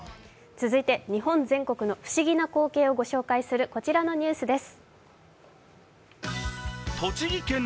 続いて日本全国の不思議な光景を御紹介するこちらのニュースです。